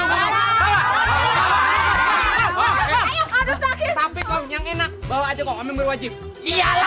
tapi kok yang enak bawa aja kok kami berwajib iyalah